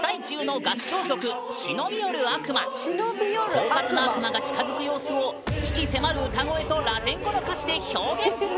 こうかつな悪魔が近づく様子を鬼気迫る歌声とラテン語の歌詞で表現！